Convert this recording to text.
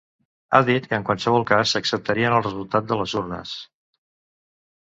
Ha dit que en qualsevol cas s’acceptarien els resultats de les urnes.